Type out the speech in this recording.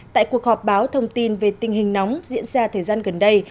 tại cuộc họp báo thông tin về tình hình nóng diễn ra thời gian gần đây